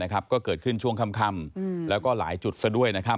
ก็เกิดขึ้นช่วงค่ำแล้วก็หลายจุดซะด้วย